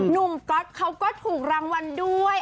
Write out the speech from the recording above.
ก๊อตเขาก็ถูกรางวัลด้วย